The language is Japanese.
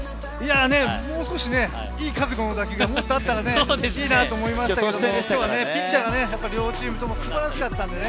もう少しいい角度の打球がもっとあったらいいなぁと思いましたけど、ピッチャーが両チームとも力強かったんでね。